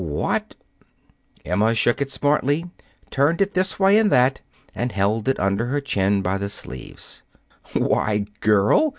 "What " Emma shook it smartly, turned it this way and that, held it up under her chin by the sleeves. "Why, girl!"